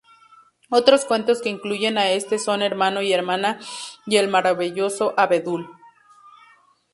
Otros cuentos que incluyen a este son Hermano y Hermana y El maravilloso abedul.